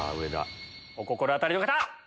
お心当たりの方！